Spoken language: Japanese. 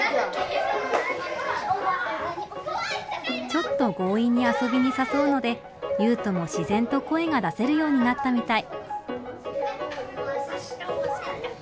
ちょっと強引に遊びに誘うので雄羽斗も自然と声が出せるようになったみたい。